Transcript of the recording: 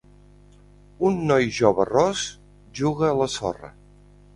Un noi jove ros juga a la sorra.